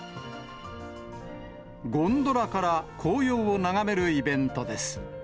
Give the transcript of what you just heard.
ゴンドラから紅葉を眺めるイベントです。